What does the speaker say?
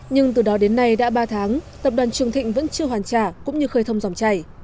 nhưng từ đó đến nay đã ba tháng tập đoàn trường thịnh vẫn chưa hoàn trả cũng như khơi thông dòng chảy